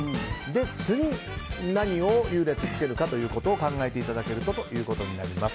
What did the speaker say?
次に何を優劣つけるかということを考えていただけるとということになります。